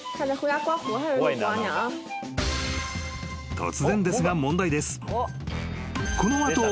［突然ですが問題です］